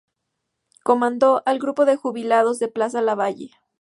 Comandó al grupo de jubilados de Plaza Lavalle.